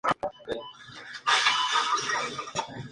Esta cultura fue sucedida por la cultura de la cerámica gris pintada.